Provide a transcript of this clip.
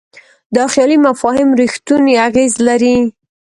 دا خیالي مفاهیم رښتونی اغېز لري.